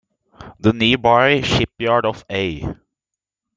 The nearby shipyard of A.